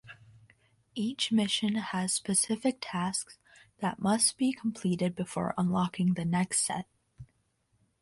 Each mission has specific tasks that must be completed before unlocking the next set.